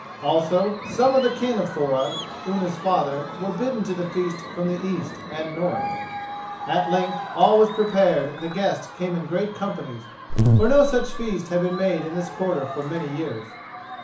Also some of the kin of Thorod, Unna's father, were bidden to the feast from the east and north. At length all was prepared and the guests came in great companies, for no such feast had been made in this quarter for many years.